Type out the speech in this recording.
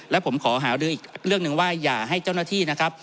และผมขอหารืออีกเรื่องหนึ่งว่าอย่าให้เจ้าหน้าที่นะครับ